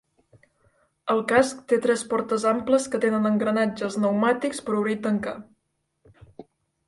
El casc té tres portes amples que tenen engranatges pneumàtics per obrir i tancar.